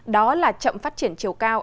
đó là chậm phát triển chiều cao